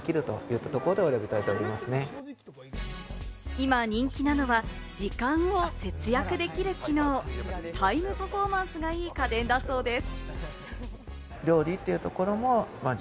今人気なのは、時間を節約できる機能、タイムパフォーマンスがいい家電だそうです。